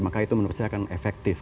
maka itu menurut saya akan efektif